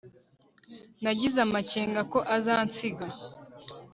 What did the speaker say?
Nagize amakenga ko azansiga